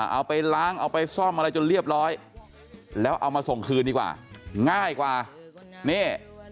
เอาไปล้างเอาไปซ่อมอะไรจนเรียบร้อยแล้วเอามาส่งคืนดีกว่าง่ายกว่านี่